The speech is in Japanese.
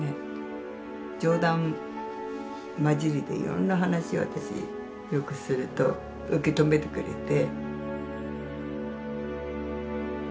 冗談交じりでいろんな話私よくすると受け止めてくれて。